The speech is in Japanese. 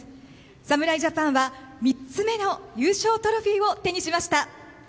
侍ジャパンは、３つ目の優勝トロフィーを手にしました。